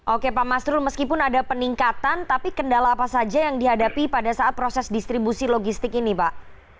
oke pak masrul meskipun ada peningkatan tapi kendala apa saja yang dihadapi pada saat proses distribusi logistik ini pak